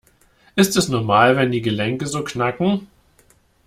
Ist es normal, wenn die Gelenke so knacken?